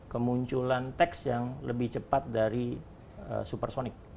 kemunculan teks yang lebih cepat dari supersonic